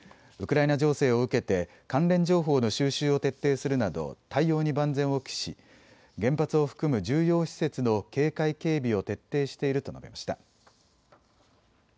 ウクライナ情勢を受けて関連情報の収集を徹底するなど対応に万全を期し原発を含む重要施設の警戒警備を徹底していると述べました。